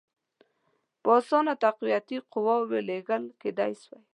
په اسانه تقویتي قواوي لېږل کېدلای سوای.